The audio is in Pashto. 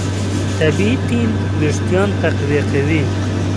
طبیعي تېل وېښتيان تقویه کوي.